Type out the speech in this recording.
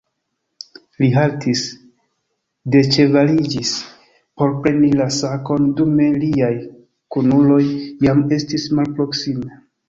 Li haltis, deĉevaliĝis por preni la sakon, dume liaj kunuloj jam estis malproksime.